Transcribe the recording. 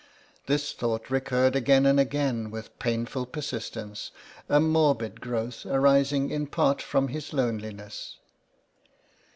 This thought recurred again and again with painful persistence, a morbid growth arising in part from his loneliness.